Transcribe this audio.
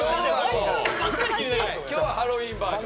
今日はハロウィーンバージョン。